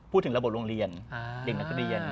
พูดถึงระบบโรงเรียนเด็กนักเรียน